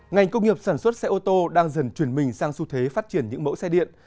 ngành công nghiệp sản xuất xe ô tô đang dần chuyển mình sang xu thế phát triển những mẫu xe điện